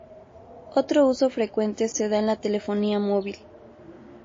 Otro uso frecuente se da en la telefonía móvil.